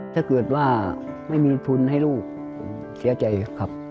ถ้าเกิดว่าไม่มีทุนให้ลูกเสียใจครับ